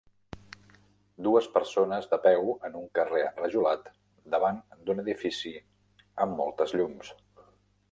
Dues persones de peu en un carrer enrajolat davant d'un edifici amb moltes llums.